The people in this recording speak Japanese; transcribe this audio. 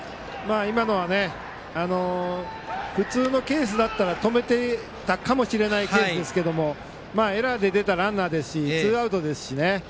今のは普通のケースだったら止めていたかもしれないケースですがエラーで出たランナーですしツーアウトですしね。